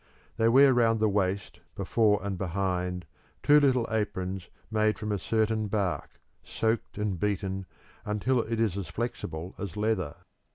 They wear round the waist, before and behind, two little aprons made from a certain bark, soaked and beaten until it is as flexible as leather.